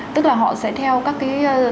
tức là họ sẽ theo các cái